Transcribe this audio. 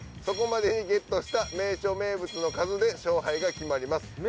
そこまでにゲットした名所名物の数で勝敗が決まります。